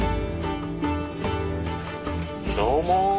どうも。